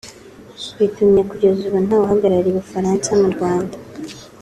bitumye kugeza ubu ntawe uhagarariye u Bufaransa mu Rwanda